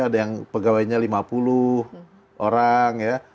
ada yang pegawainya lima puluh orang ya